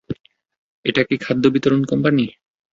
এটা কি খাদ্য বিতরণ কোম্পানি?